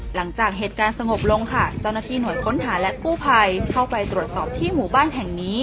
หลังจากเหตุการณ์สงบลงค่ะเจ้าหน้าที่หน่วยค้นหาและกู้ภัยเข้าไปตรวจสอบที่หมู่บ้านแห่งนี้